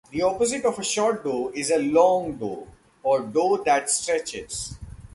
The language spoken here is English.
The opposite of a short dough is a "long" dough or dough that stretches.